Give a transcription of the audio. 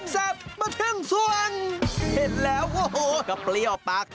มาถึงสวงเห็นแล้วโอ้โหก็เปรี้ยวปาก